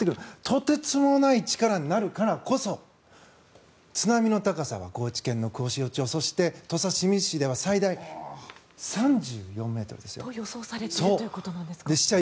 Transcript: とてつもない力になるからこそ津波の高さは、高知県黒潮町そして、土佐清水市では最大３４ｍですよ。と、予想されているということですか。